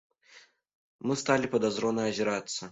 Мы сталі падазрона азірацца.